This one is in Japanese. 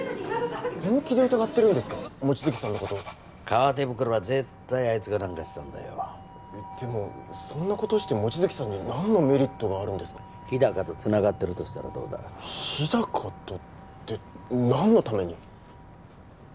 本気で疑ってるんですか望月さんのこと革手袋は絶対あいつが何かしたんだよでもそんなことして望月さんに何のメリットがあるんですか日高とつながってるとしたらどうだ日高とって何のために？